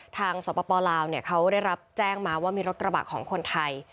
สปลาวเขาได้รับแจ้งมาว่ามีรถกระบะของคนไทย